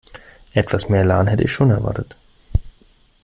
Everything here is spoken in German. Etwas mehr Elan hätte ich schon erwartet.